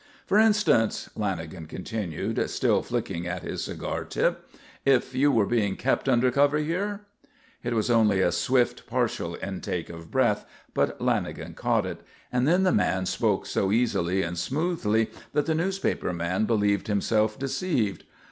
"For instance," Lanagan continued, still flicking at his cigar tip, "if you were being kept under cover here?" It was only a swift, partial intake of breath, but Lanagan caught it, and then the man spoke so easily and smoothly that the newspaper man believed himself deceived.